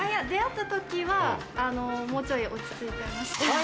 出会った時は、もうちょっと落ち着いていた。